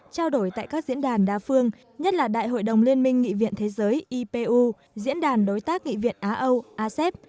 trao đổi tại các diễn đàn đa phương nhất là đại hội đồng liên minh nghị viện thế giới ipu diễn đàn đối tác nghị viện á âu asep